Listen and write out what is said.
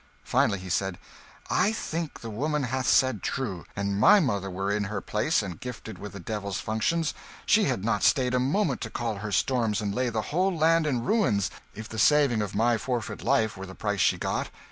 Finally he said "I think the woman hath said true. An' my mother were in her place and gifted with the devil's functions, she had not stayed a moment to call her storms and lay the whole land in ruins, if the saving of my forfeit life were the price she got!